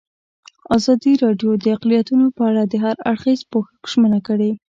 ازادي راډیو د اقلیتونه په اړه د هر اړخیز پوښښ ژمنه کړې.